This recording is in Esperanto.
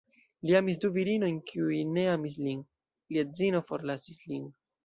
Li amis du virinojn kiuj ne amis lin; lia edzino forlasis lin.